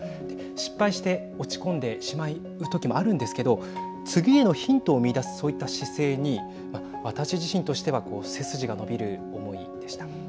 失敗して落ち込んでしまう時もあるんですけども次へのヒントを見いだすそういった姿勢に私自身としては背筋が伸びる思いでした。